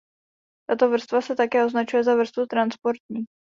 Tato vrstva se také označuje za vrstvu transportní.